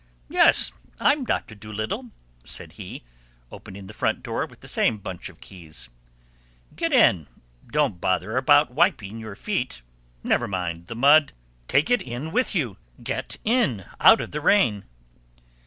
"Yes, I'm Doctor Dolittle," said he, opening the front door with the same bunch of keys. "Get in! Don't bother about wiping your feet. Never mind the mud. Take it in with you. Get in out of the rain!"